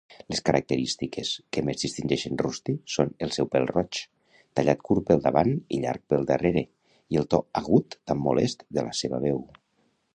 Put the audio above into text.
Les característiques que més distingeixen Rusty són el seu pèl roig, tallat curt pel davant i llarg pel darrere, i el to agut tan molest de la seva veu.